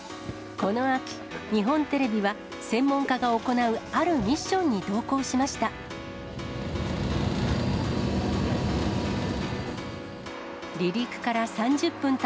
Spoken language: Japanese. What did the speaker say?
この秋、日本テレビは、専門家が行うあるミッションに同行しました。